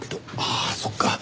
ああそっか